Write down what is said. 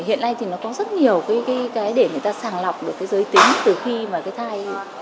hiện nay thì nó có rất nhiều cái để người ta sàng lọc được cái giới tính từ khi mà cái thai